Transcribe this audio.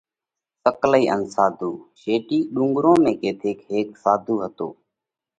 سڪلئي ان ساڌُو: شيٽِي ڏُونڳرون ۾ ڪٿيڪ هيڪ ساڌُو هتو۔